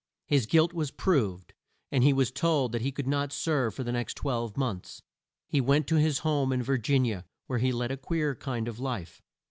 His guilt was proved, and he was told that he could not serve for the next twelve months. He went to his home in Vir gin i a where he led a queer kind of a life.